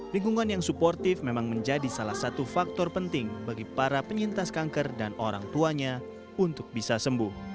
lingkungan yang suportif memang menjadi salah satu faktor penting bagi para penyintas kanker dan orang tuanya untuk bisa sembuh